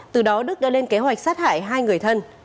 từ đó đức đã lên kế hoạch sát hại hai người thân